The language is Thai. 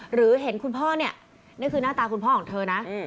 หรือเห็นคุณพ่อเนี่ยนี่คือหน้าตาคุณพ่อของเธอนะ